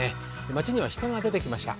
町には人が出てきました。